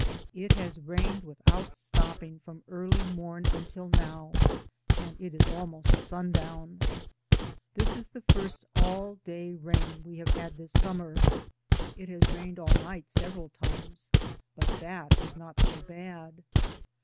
It has rained without stopping from early morn until now, and it is almost sun down. This is the first all day rain we have had this Summer. It has rained all night several times, but that is not so bad.